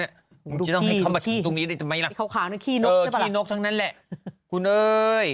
ดูขี้ดูขี้เขาขาวนั่นขี้นกใช่ไหมล่ะโอเคขี้นกทั้งนั้นแหละคุณเฮ้ย